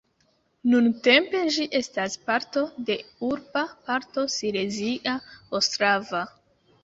Nuntempe ĝi estas parto de urba parto Silezia Ostrava.